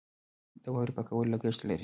د واورې پاکول لګښت لري.